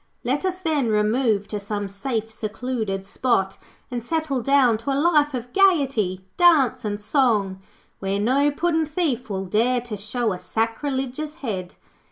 Let us, then, remove to some safe, secluded spot and settle down to a life of gaiety, dance, and song, where no puddin' thief will dare to show a sacrilegious head.